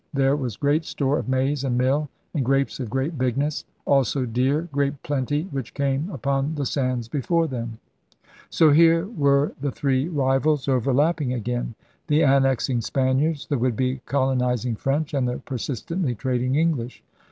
There was 'great store of maize and mill, and grapes of great bigness. Also deer great plenty, which came upon the sands before them. ' So here were the three rivals overlapping again — the annexing Spaniards, the would be coloniz ing French, and the persistently trading English.